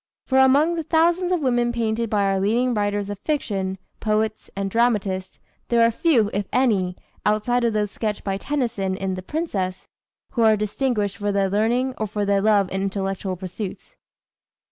For among the thousands of women painted by our leading writers of fiction, poets and dramatists there are few, if any, outside of those sketched by Tennyson in The Princess, who are distinguished for their learning or for their love of intellectual pursuits.